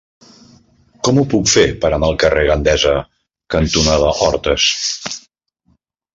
Com ho puc fer per anar al carrer Gandesa cantonada Hortes?